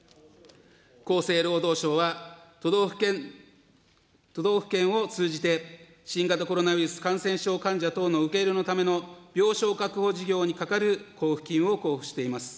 厚生労働省は、都道府県を通じて、新型コロナウイルス感染症患者等の受け入れのための、病床確保事業に係る交付金を交付しております。